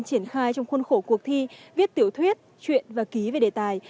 triển khai trong khuôn khổ cuộc thi viết tiểu thuyết chuyện và ký về đề tài